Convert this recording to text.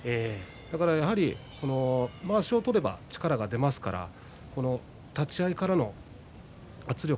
だから、やはりまわしを取れば力が出ますから立ち合いからの圧力。